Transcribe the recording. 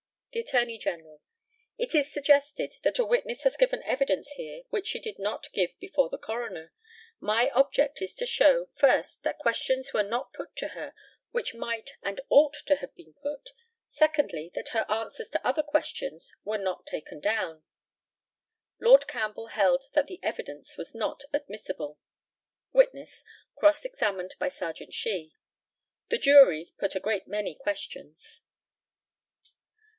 The ATTORNEY GENERAL: It is suggested that a witness has given evidence here which she did not give before the coroner; my object is to show, first, that questions were not put to her which might and ought to have been put; secondly, that her answers to other questions were not taken down. Lord CAMPBELL held that the evidence was not admissible. Witness, cross examined by Serjeant SHEE: The jury put a great many questions.